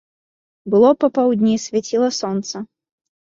Было папаўдні, свяціла сонца.